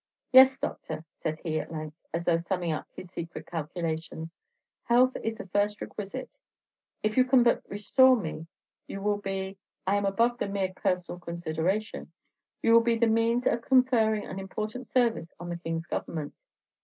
"Yes, Doctor," said he, at length, as though summing up his secret calculations, "health is the first requisite. If you can but restore me, you will be I am above the mere personal consideration you will be the means of conferring an important service on the King's Government.